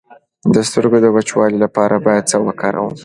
د سترګو د وچوالي لپاره باید څه وکاروم؟